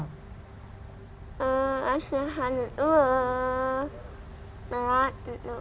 kasian berat gitu